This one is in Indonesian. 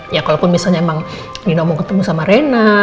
ya kalau misalnya emang nino mau ketemu sama rena